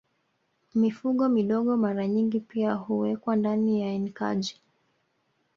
Mifugo midogo mara nyingi pia huwekwa ndani ya enkaji